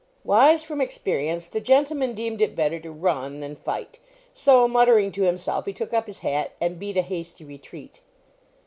Wise from experience, the gentleman deemed it better to run than fight. So, muttering to himself, he took up his hat and beat a hasty retreat.